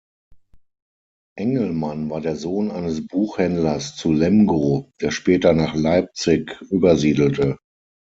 Engelmann war der Sohn eines Buchhändlers zu Lemgo, der später nach Leipzig übersiedelte.